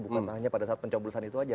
bukan hanya pada saat pencoblosan itu saja